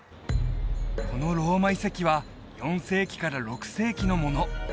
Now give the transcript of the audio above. このローマ遺跡は４世紀から６世紀のもの